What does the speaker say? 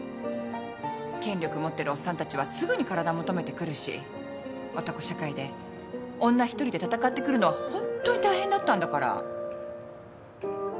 権力持ってるおっさんたちはすぐに体求めてくるし男社会で女一人で闘ってくるのはホントに大変だったんだから。